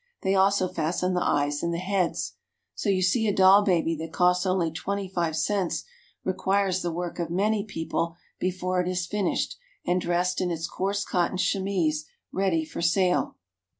They also fasten the eyes in the heads. So you see a doll baby that costs only twenty five cents requires the work of many people before it is finished and dressed in its coarse cotton chemise ready for sale.